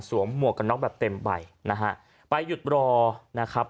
หมวกกันน็อกแบบเต็มใบนะฮะไปหยุดรอนะครับ